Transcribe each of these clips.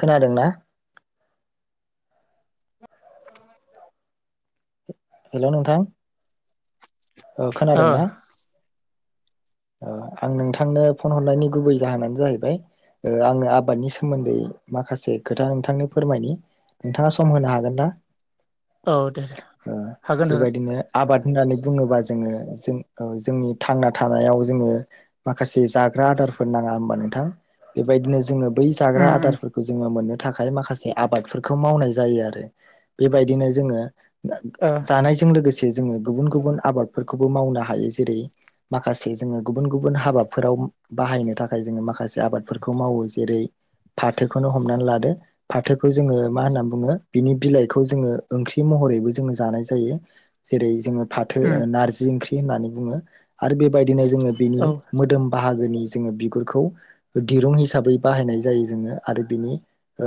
खोनादोंना? [inaudible] हेल' नोंथां औ खोनादों ना? ओ अ आं नोंथांनो फन हरनायनि गुबै जाहोनानो जाहैबाय ओ आंङो आबादनि सोमोन्दै माखासे खोथा नोंथांनो फोरमायनि नोंथाङा सम होनो हागोन ना? औ दे दे ओ हागोन हागोन बेबायदिनो आबाद होननानै बुङोबा जोंङो जों-ओ-जोंनि थांना थानायाव जोङो माखासे जाग्रा आदारफोर नांङा होमबा नोंथां बेबायदिनो जोंङो बै जाग्रा उम आदारफोरखौ जोंङो मोननो थाखाय माखासे आबादफोरखौ मावनाय जायो आरो बेबायदिनो जोंङो उम जानायजों लोगोसे जोंङो गुबुन गुबुन आबादफोरखौबो मावनो हायो जेरै माखासे जोंङो गुबुन गुबुन हाबाफोराव बाहायनो थाखाय जोंङो माखासे आबादफोरखौ मावो जेरै फाथोखौनो हमनानै लादो फाथोखौ जोंङो मा होनना बुंङो बिनि बिलाइखौ जोंङो ओंख्रि महरैबो जोंङो जानाय जायो जेरै जोंङो फाथो ओ नारजि ओंख्रि होननानै बुंङो आरो बेबायदि दिनै जोंङो बिनि ओ मोदोम बाहागोनि जोंङो बिगुरखौ दिरुं हिसाबै बाहायनाय जायो जोंङो आरो बिनि ओ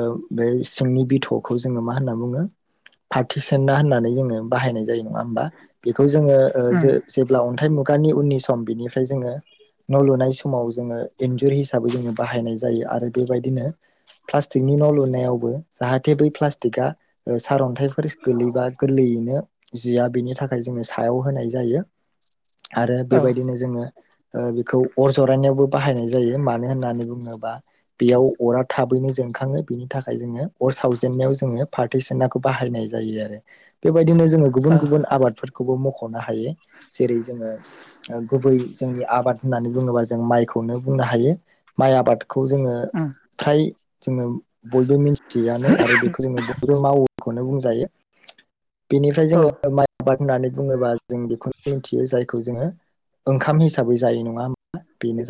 नि बिथ'खौ जोंङो मा होनना बुंङो फाथो सेना होनना जोंङो बाहायनाय जायो नंङा होमबा बिखौ जोंङो ओ उम जो-जेब्ला अनथाइ मु गानि उननि सम बिनिफ्राय जोंङो न लुनाय समाव जोंङो इन्जुर हिसाबै जोंङो बाहायनाय जायो आरो बेबायदिनो प्लास्टिकनि न लुनायावबो जाहाथे बै प्लास्टिका सारन्थाइफोर गोलैबा नो जिया बेनि थाखाय जोंङो सायाव होनाय जायो आरो औ बेबायदिनो जोंङो ओ बेखौ अर जरायनायावबो बाहायनाय जायो मानो होननानै बुंङोबा बेयाव अरा थाबैनो जों। मोनखाङो बिनि थाखाय जोंङो अर सावजेनन्नायाव जोंङो फाथो सेनाखौ बाहायनाय जायो आरो। बेबायदिनो जोंङो गुबुन गुबुन आबादफोरखौबो मखनो हायो जेरै जोंङो ओ गुबै। जोंनि आबाद होननानै बुंङोबा जों माइखौनो बुंनो हायो माइ आबाद। खौ जोंङो उम फ्राय जोंङो बयबो मिथियोयानो आरो बेखौ जोंङो बयबो मावो। खौनो बुंजायो। बेनिफ्राय औ ओ उम औ उम औ जोंङो उम माइ आबाद होननानै बुंङोबा जों बेखौनो मिथियो जायखौ जोंङो। ओंखाम हिसाबै जायो नंङा होमा बेनो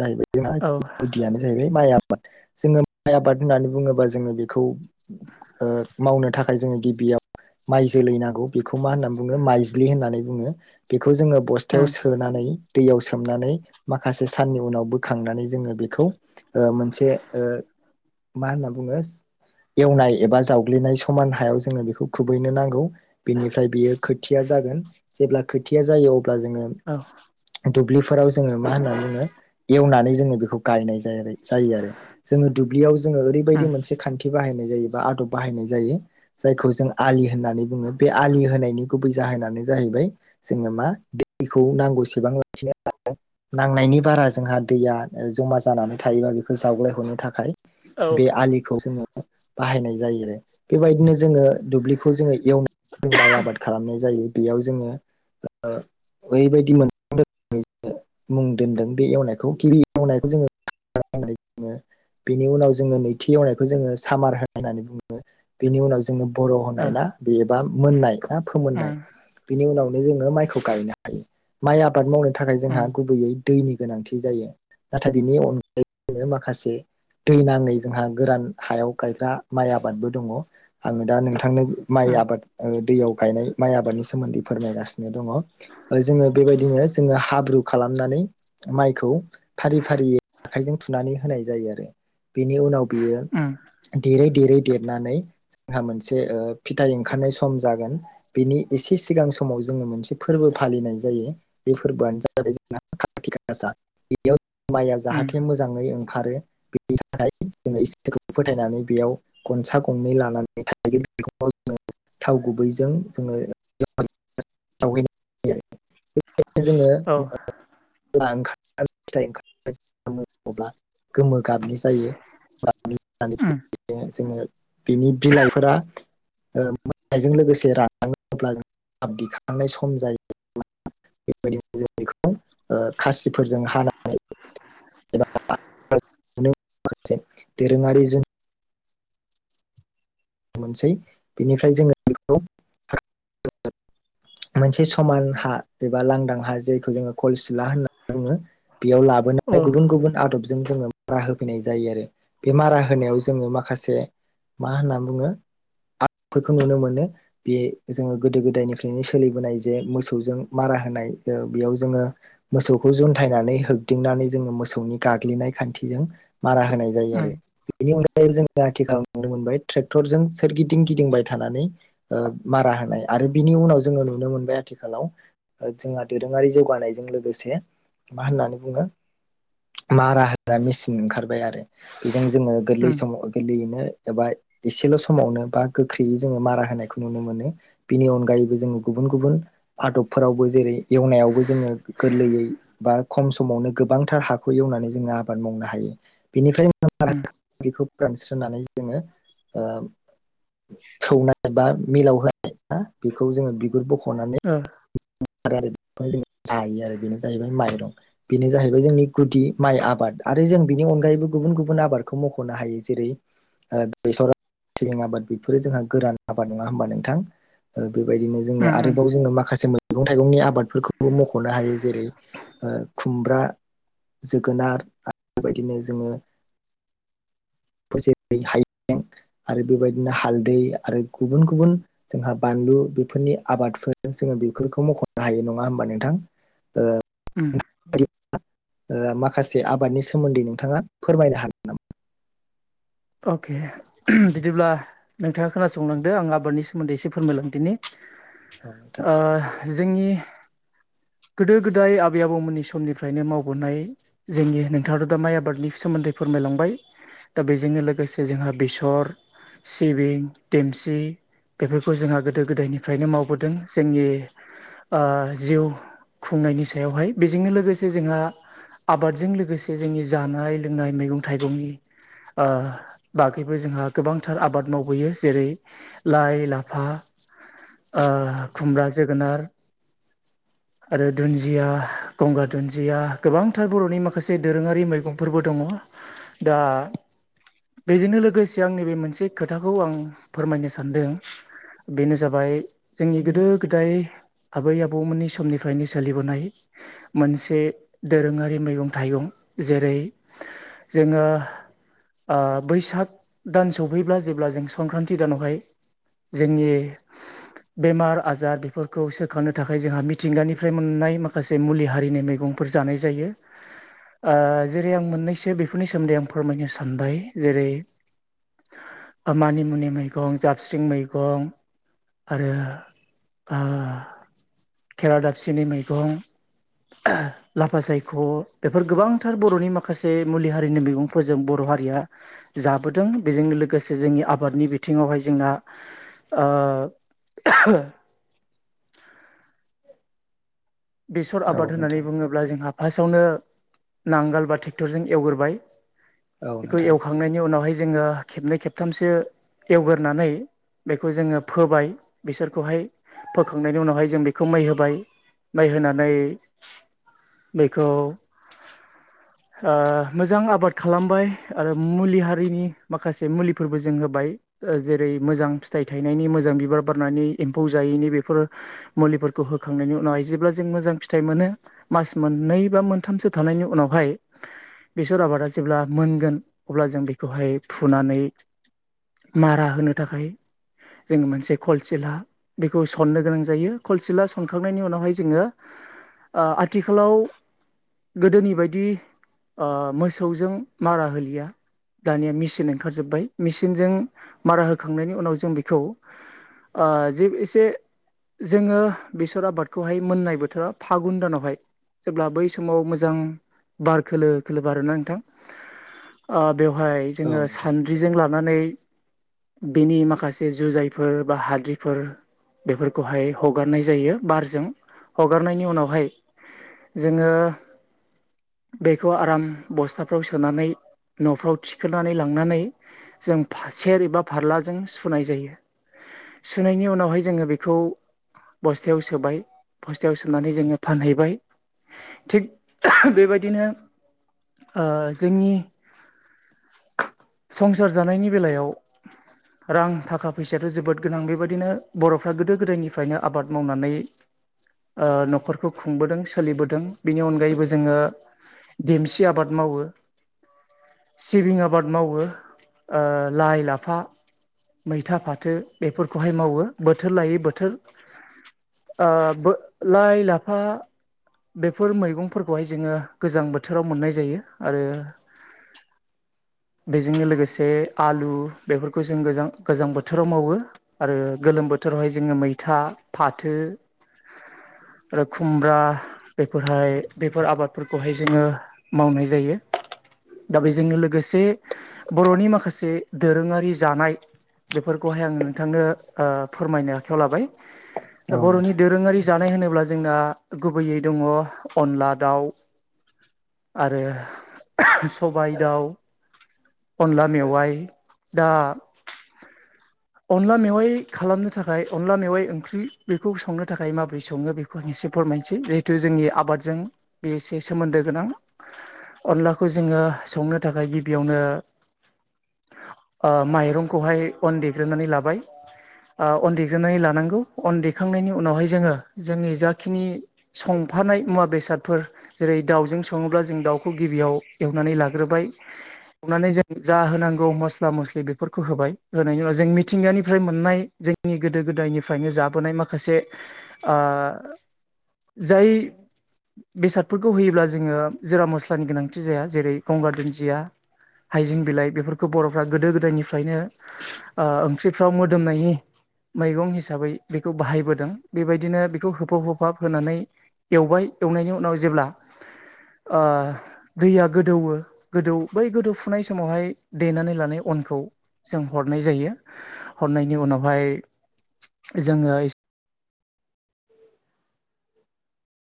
औ जाहैबाय। ओ उम गुदियानो जाहैबाय माइ आबाद जोंङो माइ आबाद होननानै बुङोबा जोंङो बेखौ। ओ मावनो थाखाय जोंङो गिबियाव। माइ जोलै नांगौ बेखौ मा होननानै बुंङो माइज्लि होननानै बुंङो बे। बेखौ जोंङो बस्थायाव सोनानै। दैयाव सोमनानै माखासे साननि उनाव बोखांनानै जोंङो बेखौ ओ मोनसेओ। मा होनना बुंङो एवनाय एबा जावग्लिनाय समान हायाव जोंङो बेखौ। खुबैनो नांगौ बेनिफ्राय बियो खोथिया जागोन जेब्ला खोथिया जायो। ब्ला जोङो उम दुब्लिफोराव जोंङो मा होननानै बुंङो एवनानै जोंङो बेखौ गायनाय। जायो आरो जोङो दुब्लियाव जोङो ओरैबायदि उम मोनसे खान्थि बाहायनाय जायो। बा आदब बाहायनाय जायो जायखौ जों। आलि होननानै बुनङो बे आलि होनायनि गुबै जाहोनानो जाहैबाय जोंङो मा दैखौ नांगौ। बेसेबां लाखिनो। नांनायनि बारा जोंहा दैया जमा जानानै थायोबा बेखौ जावग्लायहरनो थाखाय। बे आलिखौ जोंङो बाहायनाय जायो आरो बेबायदिनो जोंङो। दुब्लिखौ जोंङो एवनानै जों माइ आबाद खालामनाय। जायो बेयाव जोंङो ओ ओरैबायदि मोन। मुं दोनदों बे एवनायखौ गिबि एवनायखौ जोंङो। होननानै बुंङो बेनि उनाव जोंङो नैथि एवनायखौ जोङो सामार होनाय होननानै बुंङो बेनि उन। उनाव जोंङो बर' होनाय ना बेबा मोननायखा फोमोननाय बेनि उनावनो जोंङो माय। गायनो हायो माइ आबाद मावनो थाखाय जोंहा गुबैयै दैनि। गोनांथि जायो नाथाय बिनि अनगायै माखासे। दै नाङै जोंहा गोरान हायाव गायग्रा माइ आबादबो दङ' आङो दा नोंथांनो माइ आबाद दैयाव गायनाय माइ आबादनि सोमोन्दै फोरमायगासिनो दङ' जोङो बेबायदिनो जोङो हाब्रु खालामनानै माइखौ फारि फारियै आखाइजों थुनानै होनाय जायो आरो बेनि उनाव बियो उम उम औ उम औ उम ओ उम देरै देरै देरनानै जोंहा मोनसे ओ फिथाइ ओंखारनाय सम जागोन बेनि एसे सिगां समाव जोङो मोनसे फोरबो फालि फालिनाय जायो बे फोरबोआनो जाबाय जों काति गासा बेयाव माइया जाहाथे मोजाङै खारो बेनि थाखाय जोङो इसोरखौ फोथायनानै बेयाव गनसा गंनै लानानै [unintelligible] थाव गुबैजों जोङो [unintelligible] [unintelligible] जोङो ला ओंखार फिथाइ ओं अब्ला गोमो गाबनि जायो। होननानै जोङो बिनि बिलाइफोरा ओ मानायजों लोगोसे रानलाङोब्ला जोंहा दिखांनाय सम जायो। बेबायदिनो जों बेखौ ओ खासिफोरजों हानानै [unintelligible] दोरोङारि जों मोनसै बिनिफ्राय जोङो बेखौ मोनसे समान हा एबा लांदां हा जायखौ जोङो कलसिला होनना बुङो बेयाव लाबोनाय गुबुन गुबुन आदबजो जों जोङो मारा होफैनाय जायो आरो बे मारा होनायाव जोङो माखासे मा होनना बुंङो आदफोरखौ नुनो मोनो बे जोङो गोदो गोदायनिफ्रायनो सोलिबोनाय जे मोसौजों मारा होनाय होनाय बेयाव जोङो मोसौखौ जन्थायनानै होदिंनानै जोङो मोसौनि गाग्लिनाय खान्थि मारा होनाय जायो आरो बेनि अनगायै जोङो आथिखालाव नुनो मोनबाय ट्रेक्टरजों सोरगिदिं गिदिंबाय थानानै मारा होनाय आरो बिनि उनाव जोङो नुनो मोनबाय आथिखालाव जोंहा दोरोङारि जौगानायजों लोगोसे मा होननानै बुङो मारा होग्रा मेसिन ओंखारबाय आरो जों जोङो गोरलै समाव गोरलैयैनो एबा एसेल' समावनो बा गोख्रैयै जोङो मारा होनायखौ नुनो मोनो बिनि अनगायैबो जोङो गुबुन गुबुन आदबफोरावबो जेरै एवनायावबो जोङो गोरलैयै बा खम समावनो गोबांथार हाखौ बै एवनानै जोङो आबाद मावनो हायो बेनिफ्राय ओम। खौ फोरानस्रनानै जोङो ओ सौनाय बा मिलाव होनाया बेखौ जोङो बिगुर बख' ओ। आरो बेखौ जोङो जायो आरो बेनो जाहैबाय माइरं बेनो जाहैबाय जोंनि गुदि माइ आबाद आरो जों बिनि अनगायैबो गुबुन गुबुन आबादखौ मख'नो हायो जेरै बेसर, सिबिं आबाद बेफोरो जोंहा गोदान आबाद नङा होमबा नोंथां? बेबायदिनो जोङो उम आरोबाव जोङो माखासे मैगं थाइगंनि आबादफोरखौबो मख'नो हायो जेरै खुमब्रा, जोगोनार आरो बेबायदिनो जोङो [unintelligible] हायजें आरो बेबायदिनो हालदै आरो गुबुन गुबुन जोंहा बानलु बेफोरनि आबादफोर जों बेफोरखौ मख'नो हायो नङा होमबा नोंथां? ओ उम ओ माखासे आबादनि सोमोन्दै नोंथाङा फोरमायनो हागोन नामा? अके बिदिब्ला नोंथाङा खोनासंलांदो आं आबादनि सोमोन्दै एसे फोरमायलां दिनि हागोन ओ जोंनि गोदो गोदाय आबै आबौमोननि समनिफ्रायनो मावबोनाय जोंनि नोंथाङा दा माइ आबादनि फिसा सोमोन्दै फोरमायलांबाय दा बेजोंनो लोगोसे जोंहा बेसर सिबिं, देमसि बेफोरखौ जोंहा गोदो गोदायनिफ्रायनो मावबोदों जोंनि ओ जिउ खुंनायनि सायावहाय बेजोंनो लोगोसे जोंहा आबादजों लोगोसे जोंनि जानाय लोंनाय मैगं थाइगंनि ओ बागैबो जोंहा गोबांथार आबाद मावबोयो जेरै लाइ लाफा ओ मब्रा जोगोनार [inaudible] आरो दुन्दिया गंगार दुन्दिया गोबांथार बर'नि माखासे दोरोङारि मैगंफोरबो दङ। दा बेजोंनो लोगोसे आं नैबे मोनसे खोथाखौ आं फोरमायनो सानदों बेनो जाबाय जोंनि गोदो गोदाय आबै आबौमोननि समनिफ्रायनो सोलिबोनाय। मोनसे दोरोङारि मैगं थाइगं जेरै जोंङो आ बैसाग दान सफैब्ला जेब्ला जों संक्रान्ति दानावहाय जोंनि बेमार आजार बेफोरखौ सोखांनो थाखाय जोंहा मिथिंगानिफ्राय मोननाय माखासे मुलि हारिनि मैगं फोर जानाय जायो ओ जेरै आं मोननैसो बेफोरनि सोमोन्दै आं फोरमायनो सानबाय जेरै मानि मुनि मैगं जाबस्रिं मैगं आरो खेरा दाबसेनि मैगं लाफा सायख' बेफोर गोबांथार बर'नि माखासे मुलि हारिनि मैगंफोरजों बर' हारिया जाबोदों बेजों लोगोसे जोंनि आबादनि बिथिङावहाय जोंना [inaudible] [inaudible] बेसर औ आबाद होननानै नोंथां बुङोब्ला जोंहा फार्स्टआवनो नांगोल बा ट्रेक्टरजों एवग्रोबाय औ नोंथां औ बेखौ नोंथां एवखांनायनि उनावहाय जोंङो खेबनै खेबथामसो एवगोरनानै बेखौ जोंङो फोबाय बिसरखौहाय फोखांनायनि उनावहाय जों बेखौ मै होबाय माइ होनानै बेखौ [inaudible] ओ मोजां आबाद खालामबाय आरो मुलि हारिनि माखासे मुलिफोरबो जों होबाय ओ‌ जेरै मोजां फिथाइ थायनायनि मोजां बिबार बारनानै एम्फौ जायैनि बेफोर मुलिफोरखौ होखांनायनि उनावहाय जेब्ला जों मोजां फिथाइ मोनो मास मोननै बा मोनथामसो थानायनि उनावहाय बेसर आबादा जेब्ला मोनगोन अब्ला जों बेखौहाय फुनानै मारा होनो थाखाय जोंङो मोनसे खलसिला बेखौ सननो गोनां जायो खलसिला सनखांनायनि उनावहाय जोंङो ओ आथिखालाव गोदोनि बायदि ओ मोसौजों मारा होलिया दानिया मेसिन ओंखारजोबबाय मेसिनजों मारा होखांनायनि उनाव जों बेखौ ओ‌ जि एसे जोंङो बेसर आबाद खौहाय मोननाय बोथोराव फागुन दानावहाय जेब्ला बै समाव मोजां बार खोलो खोलो बारोना नोंथां ओ बेवहाय औ जोंङो नोंथां सान्द्रिजों लानानै बिनि माखासे जुजाइफोर बा हाद्रिफोर बेफोरखौहाय हगारनाय जायो बारजों हगारनायनि उनावहाय जोंङो बेखौ आराम बस्थाफ्राव सोनानै न'फ्राव थिखोनानै लांनानै जों फासेेर एबा फारलाजों सुनाय जायो सुनायनि उनावहाय जोंङो बेखौ बस्थायाव सोबाय बस्थायाव सोननानै जोंङो फानहैबाय थिग बेबायदिनो ओ जोंनि संसार जानायनि बेलायाव रां थाखा फैसायाथ' जोबोद गोनां बेबायदिनो बर'फ्रा गोदो गोदायनिफ्रायनो आबाद मावनानै ओ न'खरखौ खुंबोदों सोलिबोदों बेनि अनगायैबो जोङो देमसि आबाद मावो [inaudible] सिबिं आबाद मावो ओ‌ लाइ लाफा मैथा फाथो बेफोरखौहाय मावो बोथोर लायै बोथोर ओ बो लाइ लाफा बेफोर मैगंफोरखौहाय जोङो गोजां बोथोराव मोननाय जायो आरो [inaudible] बेजोंनो लोगोसे आलु बेफोरखौ जों गोजां गोजां बोथोराव मावो आरो गोलो लोम बोथोरावहाय जोङो मैथा, फाथो [inaudible] आरो खुमब्रा बेफोरहाय बेफोर आबादफोरखौहाय जोङो मावनाय जायो दा बेजोंनो लोगोसे बर'नि माखासे दोरोङारि जानाय बेफोरखौहाय आङो नोंथांनो ओ फोरमायनो आखायाव लाबाय औ नोंथां बर'नि दोरोङारि जानाय होनोब्ला जोंना गुबैयै दङ अनला दाउ आरो सबाइ दाउ अनला मेवाय दा अनला मेवाइ खालामनो थाखाय अनला मेवाइ ओंख्रि बेखौ संनो थाखाय माबोरै सङो बेखौ एसे एसे फोरमायनोसै जिहेथु जोंनि आबादजों बे एसे सोमोन्दो गोनां अनलाखौ जोङो संनो थाखाय गिबियावनो [inaudible] ओ माइरंखौहाय अन देग्रोनानै लाबाय। ओ अन देग्रोनानै लानांगौ। अन देखांनायनि उनावहाय जोङो। जोंनि जाखिनि सं फानाय मुवा बेसादफोर जेरै दाउजों सङोब्ला जों दाउखौ गिबियाव एवनानै लाग्रोबाय। माने जों जा होनांगौ मस्ला मस्लि बेफोरखौ होबाय होनायनि उनाव जों जों मिथिंगानिफ्राय मोननाय जोंनि गोदो गोदायनिफ्रायनो जाबोनाय माखासे ओ जाय बेसादफोरखौ होयोब्ला जोङो जोरा मस्लानि गोनांथि जाया जेरै गंगार दुन्दिया हाइजें बिलाइ बेफोरखौ बर'फ्रा गोदो गोदायनिफ्रायनो ओ ओंख्रिफ्राव मोदोमनायनि मैगं हिसाबै बेखौ बाहायबोदों बेबायदिनो बेखौ होफाब होफाब होनानै एवबाय एवनायनि उनाव जेब्ला ओ दैया गोदौवो गोदौ बै गोदौफुनाय समावहाय देनानै लानाय अन खौ जों हरनाय जायो। हरनायनि उनावहाय जोङो [inaudible]